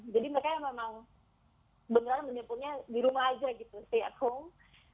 jadi mereka memang benar benarnya menyimpulnya di rumah aja gitu stay at home